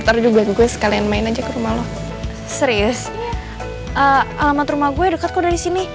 tadi juga gue sekalian main aja ke rumah lo serius alamat rumah gue dekatku dari sini